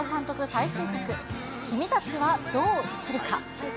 最新作、君たちはどう生きるか。